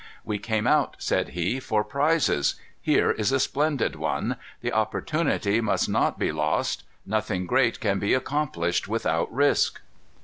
"We came out," said he, "for prizes. Here is a splendid one. The opportunity must not be lost. Nothing great can be accomplished without risk."